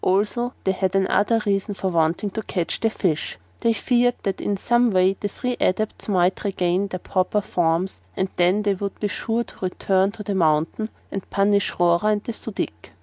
Also they had another reason for wanting to catch the fish they feared that in some way the three Adepts might regain their proper forms and then they would be sure to return to the mountain and punish Rora and the Su dic.